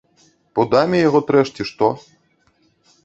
Пудамі яго трэш, ці што?